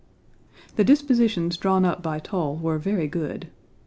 The dispositions drawn up by Toll were very good.